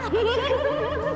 dan semua ini